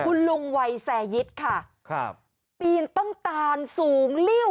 คุณลุงวัยแสยิตไปต้นตานสูงริ้ว